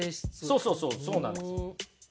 そうそうそうそうなんです。